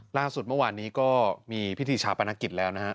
ล่าสุดเมื่อวานนี้ก็มีพิธีชาปนกิจแล้วนะฮะ